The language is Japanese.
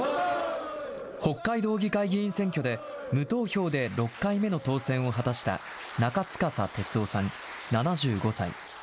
北海道議会議員選挙で、無投票で６回目の当選を果たした中司哲雄さん７５歳。